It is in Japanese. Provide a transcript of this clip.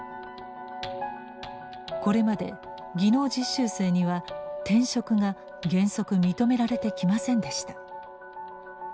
これまで技能実習生には転職が原則認められてきませんでした。